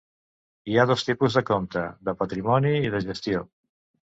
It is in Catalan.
Hi ha dos tipus de compte: de patrimoni i de gestió.